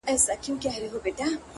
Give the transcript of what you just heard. اوس مي تعويذ له ډېره خروښه چاودي’